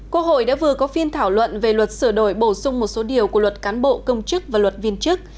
quốc hội đã vừa có phiên thảo luận về luật sửa đổi bổ sung một số điều của luật cán bộ công chức và luật viên chức